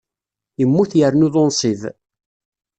Immut yernu d unṣib.